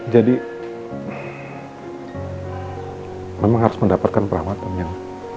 memang harus mendapatkan perawatan yang